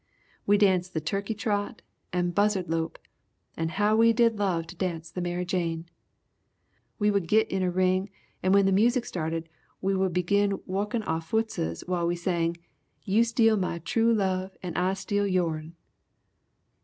We danced the 'Turkey Trot' and 'Buzzard Lope', and how we did love to dance the 'Mary Jane!' We would git in a ring and when the music started we would begin wukkin' our footses while we sang 'You steal my true love and I steal your'n!'